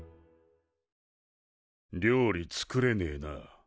料理作れねえな。